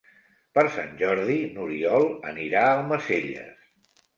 Per Sant Jordi n'Oriol anirà a Almacelles.